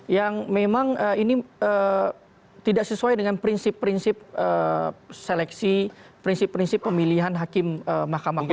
yang memang ini tidak sesuai dengan prinsip prinsip seleksi prinsip prinsip pemilihan hakim mahkamah konstitusi